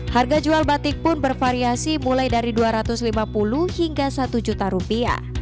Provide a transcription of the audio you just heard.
harga jual batik pun bervariasi mulai dari rp dua ratus lima puluh hingga rp satu juta rupiah